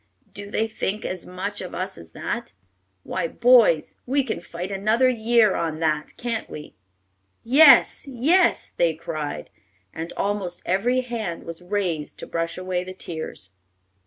"Do they think as much of as as that? Why, boys, we can fight another year on that, can't we?" "Yes, yes!" they cried, and almost every hand was raised to brush away the tears.